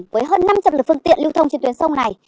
với hơn năm mươi lực phương tiện lưu thông trên tuyến sông này